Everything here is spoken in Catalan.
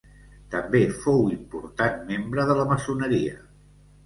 També fou important membre de la maçoneria.